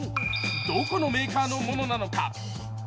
どこのメーカーのものなのか？